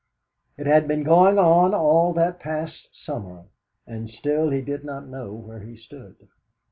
It had been going on all that past summer, and still he did not know where he stood.